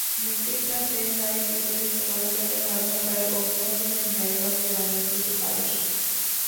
مٹی کا تیللائٹ ڈیزل استعمال کرنے والوں پر اوگرا کی مہنگائی بم گرانے کی سفارش